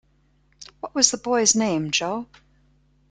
What was the boy's name, Jo?